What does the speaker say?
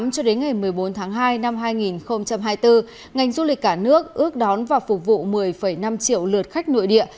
cho đến ngày một mươi bốn tháng hai năm hai nghìn hai mươi bốn ngành du lịch cả nước ước đón và phục vụ một mươi năm triệu lượt khách nội địa